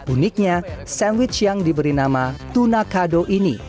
uniknya sandwich yang diberi nama tuna kado ini